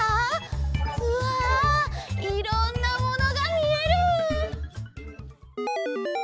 うわいろんなものがみえる！